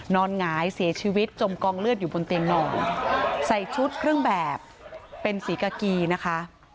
หงายเสียชีวิตจมกองเลือดอยู่บนเตียงนอนใส่ชุดเครื่องแบบเป็นสีกากีนะคะ